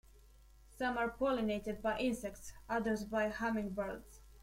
Some are pollinated by insects, others by hummingbirds.